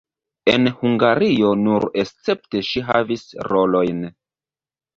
En Hungario nur escepte ŝi havis rolojn.